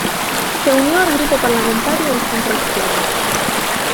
Se unió al grupo parlamentario de centro izquierda.